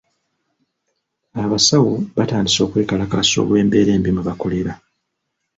Abasawo baatandise okwekalakaasa olw'embeera embi mwe bakolera.